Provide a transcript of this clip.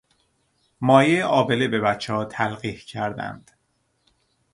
مایهٔ آبله به بچه ها تلقیح کردند.